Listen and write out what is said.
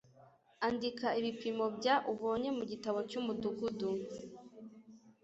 andika ibipimo bya ubonye mu gitabo cy'umudugudu